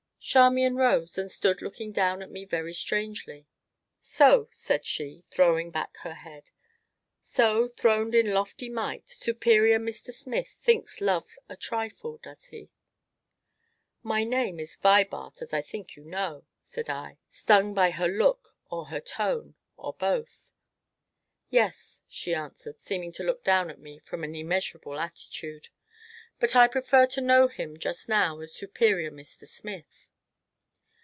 Charmian rose, and stood looking down at me very strangely. "So!" said she, throwing back her head, "so, throned in lofty might, superior Mr. Smith thinks Love a trifle, does he?" "My name is Vibart, as I think you know," said I, stung by her look or her tone, or both. "Yes," she answered, seeming to look down at me from an immeasurable attitude, "but I prefer to know him, just now, as Superior Mr. Smith."